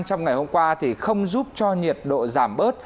trong ngày hôm qua thì không giúp cho nhiệt độ giảm bớt